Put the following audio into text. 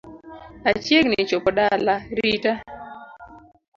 Achiegni chopo dala rita